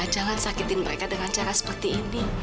jangan sakitin mereka dengan cara seperti ini